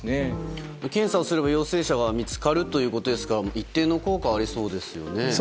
検査をすれば陽性者は見つかるということですから一定の効果はありそうですよね。